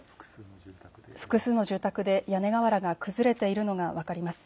複数の住宅で屋根瓦が崩れているのが分かります。